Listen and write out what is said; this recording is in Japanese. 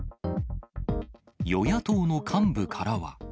与野党の幹部からは。